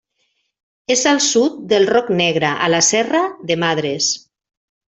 És al sud del Roc Negre, a la serra de Madres.